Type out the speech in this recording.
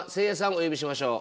お呼びしましょう。